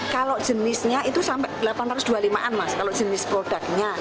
kalau jenisnya itu sampai delapan ratus dua puluh lima an mas kalau jenis produknya